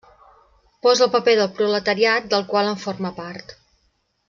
Posa el paper del proletariat, del qual en forma part.